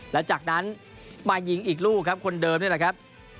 แล้วจากนั้นมายิงอีกลูกครับคนเดิมนี่แหละครับ